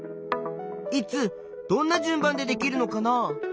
いつどんな順番でできるのかな？